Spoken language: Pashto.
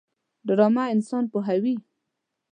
ډرامه انسان پوهوي